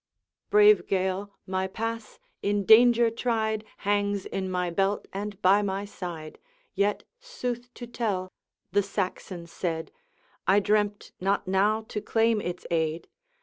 'Brave Gael, my pass, in danger tried Hangs in my belt and by my side Yet, sooth to tell,' the Saxon said, 'I dreamt not now to claim its aid.